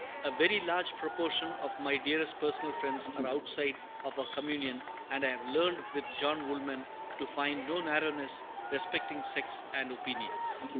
A very large proportion of my dearest personal friends are outside of our communion; and I have learned with John Woolman to find "no narrowness respecting sects and opinions."